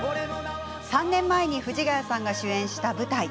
３年前に藤ヶ谷さんが主演した舞台。